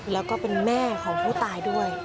แล้วก็เป็นแม่ของผู้ตายด้วย